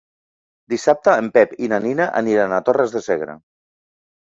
Dissabte en Pep i na Nina aniran a Torres de Segre.